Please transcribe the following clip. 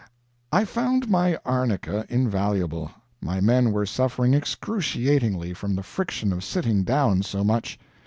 I found my arnica invaluable. My men were suffering excruciatingly, from the friction of sitting down so much.